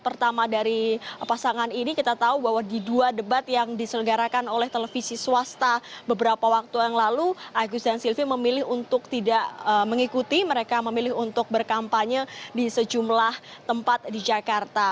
pertama dari pasangan ini kita tahu bahwa di dua debat yang diselenggarakan oleh televisi swasta beberapa waktu yang lalu agus dan silvi memilih untuk tidak mengikuti mereka memilih untuk berkampanye di sejumlah tempat di jakarta